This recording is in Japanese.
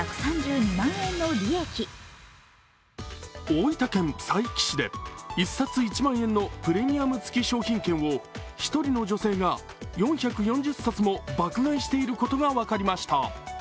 大分県佐伯市で１冊１万円のプレミアムつき商品券を１人の女性が４４０冊も爆買いしていることが分かりました。